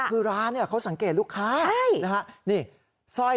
คือร้านเขาสังเกตลูกค้านะคะทินี่ใช่